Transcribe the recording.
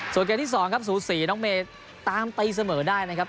ส่วนเกณฑ์ที่สองครับสูตร๔น้องเมย์ตามไปเสมอได้นะครับ